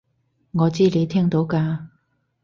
我知你聽到㗎